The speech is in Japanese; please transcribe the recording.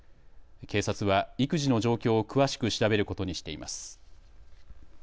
警察は育児の状況を詳しく調べることにしています。